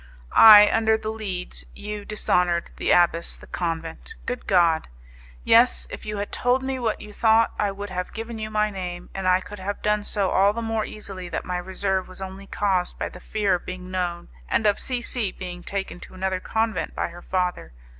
I under The Leads you dishonoured the abbess the convent! Good God! Yes, if you had told me what you thought, I would have given you my name, and I could have done so all the more easily that my reserve was only caused by the fear of being known, and of C C being taken to another convent by her father.